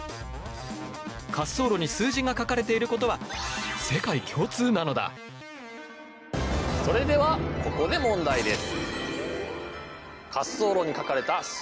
滑走路に数字が書かれていることはそれではここで問題です。